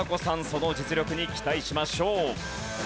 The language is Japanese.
その実力に期待しましょう。